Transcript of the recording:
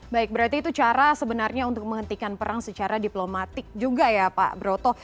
baik berarti itu cara sebenarnya untuk menghentikan perang secara diplomatik juga ya pak broto